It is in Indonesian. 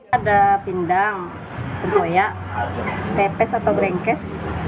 ada pindang tempoyak pepes atau goreng kes